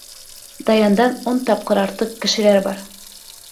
Даяндан ун тапҡыр артыҡ кешеләр бар.